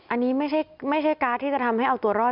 อันนี้ไม่ใช่การ์ดที่จะทำให้เอาตัวรอด